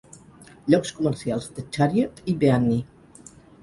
Llocs comercials "The Chariot" i "Beanni".